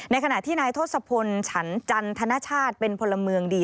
ขณะที่นายทศพลฉันจันทนชาติเป็นพลเมืองดี